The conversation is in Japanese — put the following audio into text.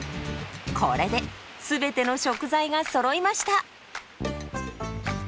これで全ての食材がそろいました。